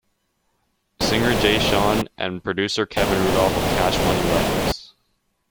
Singer Jay Sean and producer Kevin Rudolf of Cash Money Records.